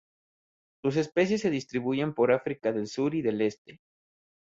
Sus especies se distribuyen por África del sur y del este.